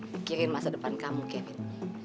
pikirin masa depan kamu kevin